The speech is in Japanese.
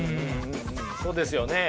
そうですよね。